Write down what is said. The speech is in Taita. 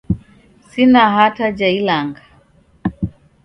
Sina hata ja ilanga!